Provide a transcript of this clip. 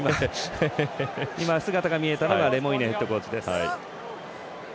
今姿が見えたのがレモイネヘッドコーチです。